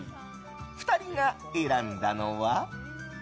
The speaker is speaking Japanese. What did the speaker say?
２人が選んだのは。